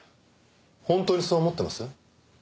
本当にそう思ってます？